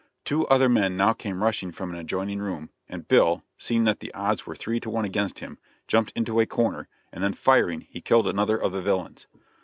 Two other men now came rushing from an adjoining room, and Bill, seeing that the odds were three to one against him, jumped into a corner, and then firing, he killed another of the villains.